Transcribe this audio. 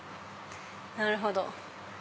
なるほど。